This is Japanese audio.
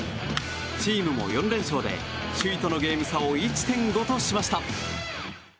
チームも４連勝で首位とのゲーム差を１．５としました。